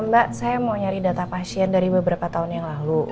mbak saya mau nyari data pasien dari beberapa tahun yang lalu